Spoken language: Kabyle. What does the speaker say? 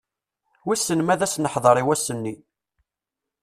Wissen ma ad as-neḥder i wass-nni.